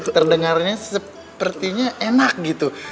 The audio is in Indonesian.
terdengarnya sepertinya enak gitu